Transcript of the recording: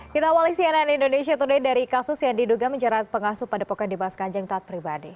kita awali cnn indonesia today dari kasus yang diduga menjerat pengasuh padepokan dimas kanjeng taat pribadi